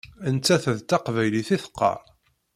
Nettat d taqbaylit i teqqaṛ.